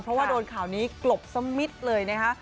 เพราะว่าโดนข่าวนี้กลบสมิทเลยนะคะ